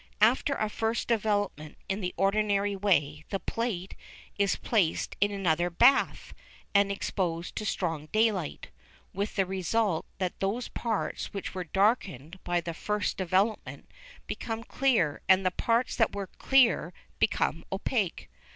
After a first development in the ordinary way the plate is placed in another bath and exposed to strong daylight, with the result that those parts which were darkened by the first development become clear and the parts which were clear become opaque.